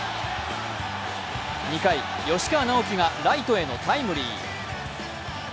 ２回、吉川尚輝がライトへのタイムリー。